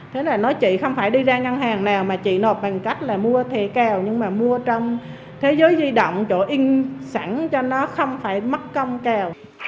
thế là nói chị không phải đi ra ngân hàng nào mà chị nộp bằng cách là mua thầy kèo nhưng mà mua trong thế giới di động chỗ in sẵn cho nó không phải mất công cào